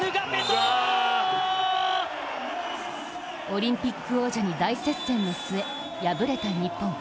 オリンピック王者に大接戦の末、敗れた日本。